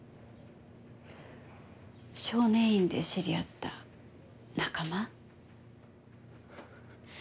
少年院で知り合った仲間？